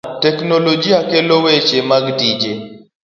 Kuom mano teknoloji kelo weche mag tije.